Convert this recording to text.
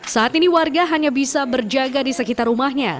saat ini warga hanya bisa berjaga di sekitar rumahnya